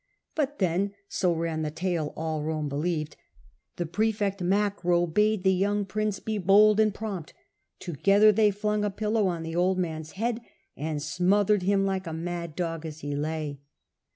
But then — so ran the young the tale all Rome believed — the praefcct Caius. Macro bade the young prince be bold and prompt : together they flung a pillow on the old man's head and smothered him like a mad dog as he lay.